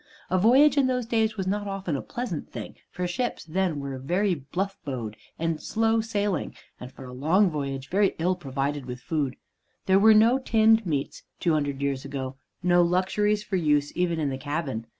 A voyage in those days was not often a pleasant thing, for ships then were very bluff bowed and slow sailing, and, for a long voyage, very ill provided with food. There were no tinned meats two hundred years ago, no luxuries for use even in the cabin.